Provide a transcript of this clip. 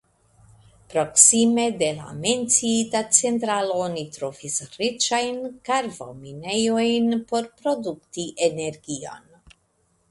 Proksime de la menciita centralo oni trovis riĉajn karvominejojn por produkti energion.